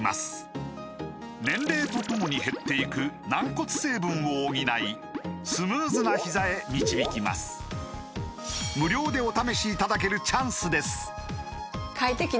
年齢とともに減っていく軟骨成分を補いスムーズなひざへ導きます無料でお試しいただけるチャンスです